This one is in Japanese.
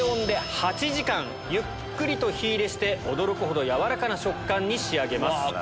ゆっくりと火入れして驚くほど軟らかな食感に仕上げます。